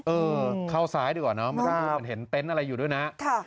เออเข้าสายดีกว่านะมันเห็นเต็นต์อะไรอยู่ด้วยนะ